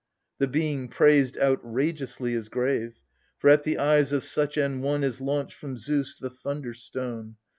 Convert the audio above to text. The being praised outrageously Is grave, for at the eyes of such an one Is launched, from Zeus, the thunder stone.